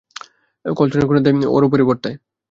কলসনের খুনের দায় ওর ওপরেই বর্তায়।